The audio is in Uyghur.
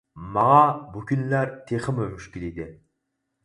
ماڭا بۇ كۈنلەر تېخىمۇ مۈشكۈل ئىدى.